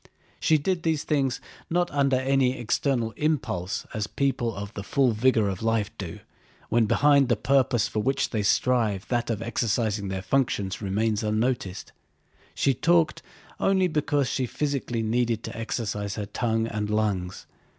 She did these things not under any external impulse as people in the full vigor of life do, when behind the purpose for which they strive that of exercising their functions remains unnoticed. She talked only because she physically needed to exercise her tongue and lungs.